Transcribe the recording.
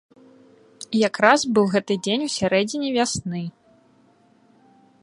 Якраз быў гэты дзень у сярэдзіне вясны.